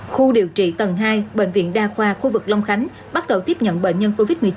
khu điều trị tầng hai bệnh viện đa khoa khu vực long khánh bắt đầu tiếp nhận bệnh nhân covid một mươi chín